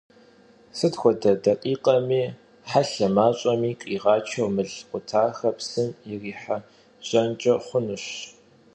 Sıt xuede dakhikhemi helhe maş'emi khiğaçeu mıl khutaxer psım yirihejenç'e xhunuş.